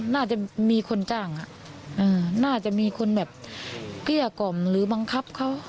น่าจะมีคนจ้างน่าจะมีคนแบบเกลี้ยกล่อมหรือบังคับเขา